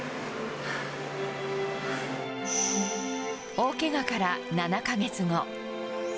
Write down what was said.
大けがから７か月後。